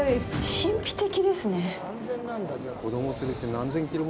神秘的ですね。